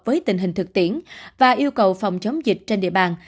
với tình hình thực tiễn và yêu cầu phòng chống dịch trên địa bàn